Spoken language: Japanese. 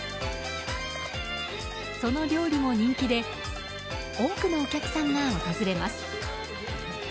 その料理も人気で多くのお客さんが訪れます。